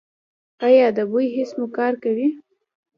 ایا د بوی حس مو کار کوي؟